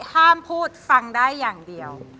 ห้ามพูดฟังได้อย่างเดียว